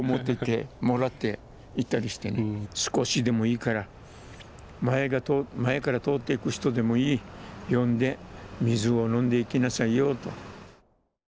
少しでもいいから前から通っていく人でもいい呼んで水を飲んでいきなさいよと。